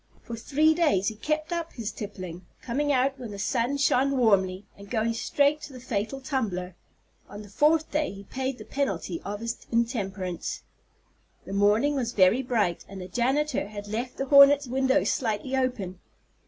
For three days he kept up his tippling, coming out when the sun shone warmly, and going straight to the fatal tumbler. On the fourth day he paid the penalty of his intemperance. The morning was very bright, and the janitor had left the hornet's window slightly open.